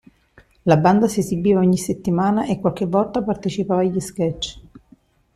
La band si esibiva ogni settimana e qualche volta partecipava agli sketch.